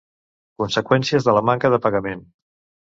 Conseqüències de la manca de pagament.